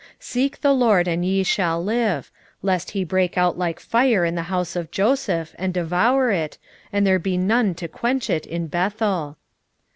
5:6 Seek the LORD, and ye shall live; lest he break out like fire in the house of Joseph, and devour it, and there be none to quench it in Bethel.